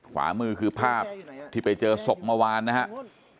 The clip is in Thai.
ขวามือคือภาพที่ไปเจอศพเมื่อวานนะครับ